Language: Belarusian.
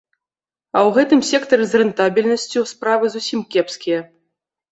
А ў гэтым сектары з рэнтабельнасцю справы зусім кепскія.